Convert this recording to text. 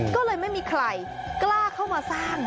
ก็เลยไม่มีใครกล้าเข้ามาสร้าง